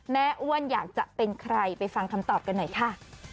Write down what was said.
อ้วนอยากจะเป็นใครไปฟังคำตอบกันหน่อยค่ะ